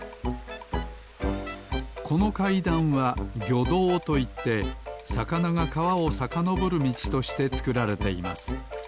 このかいだんは魚道といってさかながかわをさかのぼるみちとしてつくられています。